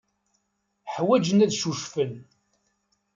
Ḥwajen ad ccucfen.